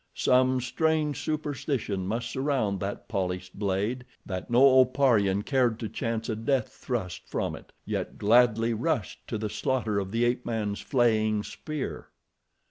Some strange superstition must surround that polished blade, that no Oparian cared to chance a death thrust from it, yet gladly rushed to the slaughter of the ape man's flaying spear.